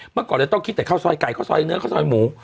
เมื่อก่อนเราต้องคิดแต่ข้าวซอยไก่ข้าวซอยเนื้อข้าวซอยหมู